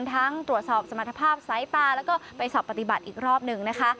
ทั้งตรวจสอบสมรรถภาพสายตาแล้วก็ไปสอบปฏิบัติอีกรอบหนึ่งนะคะ